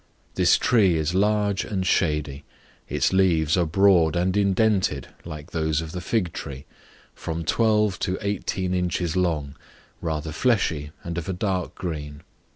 This tree is large and shady; its leaves are broad and indented, like those of the fig tree from twelve to eighteen inches long, rather fleshy, and of a dark green.